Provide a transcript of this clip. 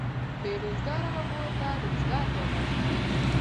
بې روزګاره وګړو ته روزګار پیدا شي.